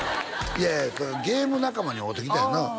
いやいやゲーム仲間に会うてきたんやなあ